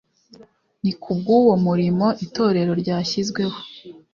Ni kubw'uwo murimo, itorero ryashyizweho,